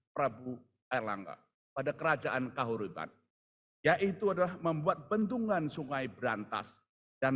prabu erlangga pada kerajaan kahuritan yaitu adalah membuat bendungan sungai berantas dan